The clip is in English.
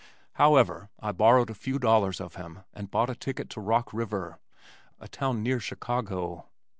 However, I borrowed a few dollars of him and bought a ticket to Rock River, a town near Chicago.